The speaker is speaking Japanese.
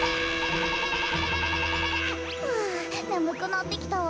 ふわねむくなってきたわ。